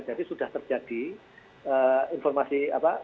jadi sudah terjadi informasi apa